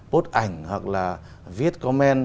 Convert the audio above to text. post ảnh hoặc là viết comment